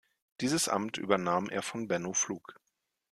Dieses Amt übernahm er von Benno Pflug.